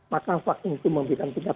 maka vaksin itu memberikan tingkat